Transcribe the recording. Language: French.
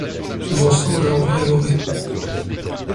Nous en sommes aujourd’hui à l’orée.